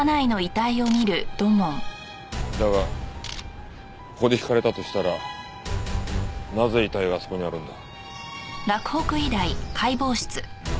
だがここでひかれたとしたらなぜ遺体があそこにあるんだ？